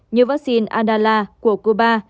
như vắc xin adala của cuba